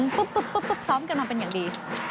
ใช่ทำเองปุ๊บซ้อมกันมาเป็นอย่างดี